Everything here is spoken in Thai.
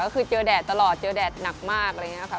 ก็คือเจอแดดตลอดเจอแดดหนักมากอะไรอย่างนี้ค่ะ